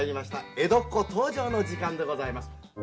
江戸っ子登場の時間でございます。